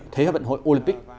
thế vận hội olympic